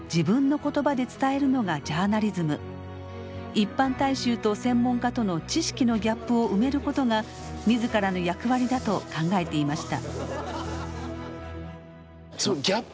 一般大衆と専門家との知識のギャップを埋めることが自らの役割だと考えていました。